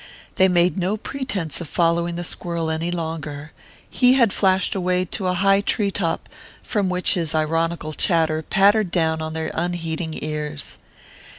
They made no pretense of following the squirrel any longer; he had flashed away to a high tree top, from which his ironical chatter pattered down on their unheeding ears.